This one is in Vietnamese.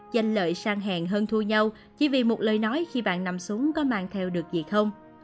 dành lợi sang hẹn hơn thua nhau chỉ vì một lời nói khi bạn nằm xuống có mang theo được gì không